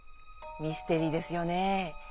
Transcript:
ミステリーですよね。